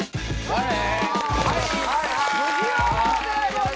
はい？